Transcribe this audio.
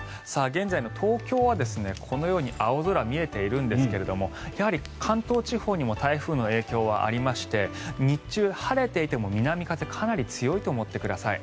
現在の東京はこのように青空が見えているんですけれどやはり関東地方にも台風の影響はありまして日中、晴れていても南風、かなり強いと思っておいてください。